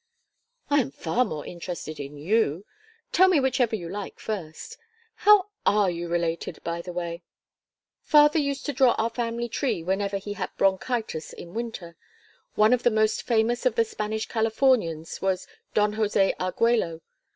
"I am far more interested in you. Tell me whichever you like first. How are you related, by the way?" "Father used to draw our family tree whenever he had bronchitis in winter. One of the most famous of the Spanish Californians was Don José Argüello.